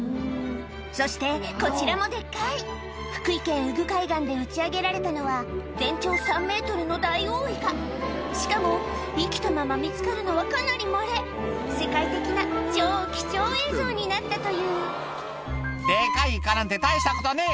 そしてこちらもデッカい福井県宇久海岸で打ち上げられたのは全長３ｍのしかも生きたまま見つかるのはかなりまれ世界的な超貴重映像になったという「デカいイカなんて大したことねえ！」